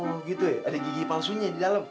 oh gitu ya ada gigi palsunya di dalam